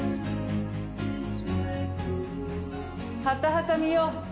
ハタハタ見よう。